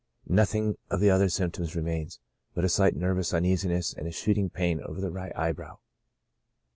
Nothing of the other symptoms remains, but a slight nervous uneasiness, and a shooting pain over the right eyebrow.